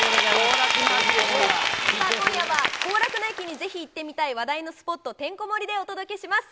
今夜は行楽の秋にぜひ行ってみたい話題のスポットてんこ盛りでお届けします。